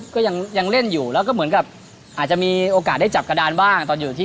ก็ยังยังเล่นอยู่แล้วก็เหมือนกับอาจจะมีโอกาสได้จับกระดานบ้างตอนอยู่ที่